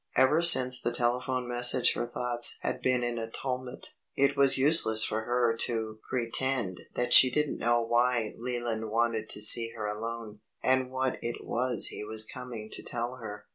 Ever since the telephone message her thoughts had been in a tumult. It was useless for her to pretend that she didn't know why Leland wanted to see her alone, and what it was he was coming to tell her.